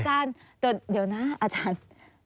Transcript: อาจารย์เดี๋ยวนะอาจารย์